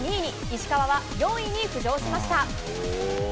石川は４位に浮上しました。